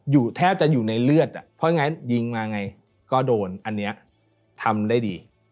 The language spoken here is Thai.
แทบจะอยู่ในเลือดอ่ะเพราะฉะนั้นยิงมาไงก็โดนอันนี้ทำได้ดี